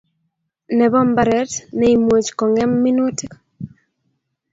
Nebo mbaret ne imuch kongem minutik